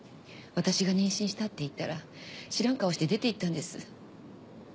私が妊娠したって言ったら知らん顔して出て行ったんです。